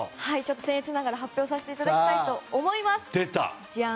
せん越ながら発表させていただきたいと思います。